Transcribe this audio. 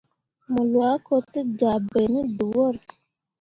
Mo lwa ko te ja bai ne dəwor.